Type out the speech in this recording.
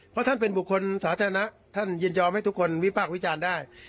เพราะท่านเป็นบุคคลสาธารณะท่านยินยอมให้ทุกคนวิพากษ์วิจารณ์ได้